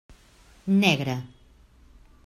Negre.